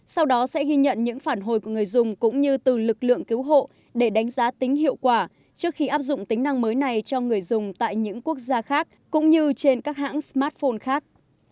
sau đó sẽ ghi nhận những phản hồi của người dùng cũng như từ lực lượng cứu hộ để đánh giá tính hiệu quả trước khi áp dụng tính năng mới này cho người dùng tại những quốc gia khác cũng như trên các hãng smartphone khác